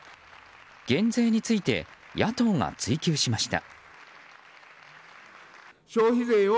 減税について野党が追及しました。